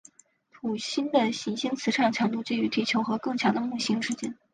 土星的行星磁场强度介于地球和更强的木星之间。